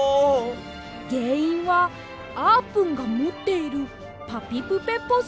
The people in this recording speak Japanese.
げんいんはあーぷんがもっている「ぱぴぷぺぽそう」です。